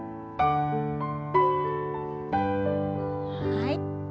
はい。